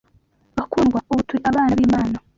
Bakundwa, ubu turi abana b’Imana